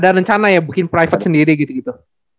ada rencana ya bikin private sendiri gitu gitu